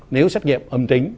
nếu xét nghiệm âm tính